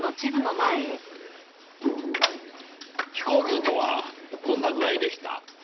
飛行ルートはこんな具合でした。